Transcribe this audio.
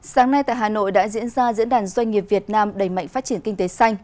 sáng nay tại hà nội đã diễn ra diễn đàn doanh nghiệp việt nam đầy mạnh phát triển kinh tế xanh